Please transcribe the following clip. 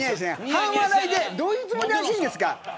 半笑いでどういうつもりで走るんですか。